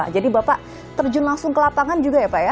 jadi bapak terjun langsung ke lapangan juga ya pak ya